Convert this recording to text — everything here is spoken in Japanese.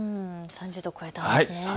３０度超えたんです。